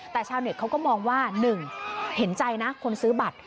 แต่ชาวเน็ตเขาก็มองว่า๑เห็นใจนะคนซื้อบัตร